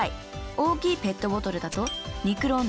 大きいペットボトルだと２クローナ。